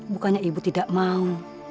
bukannya ibu tidak mau